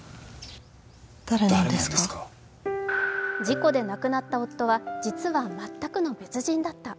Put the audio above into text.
事故で亡くなった夫は実は全くの別人だった。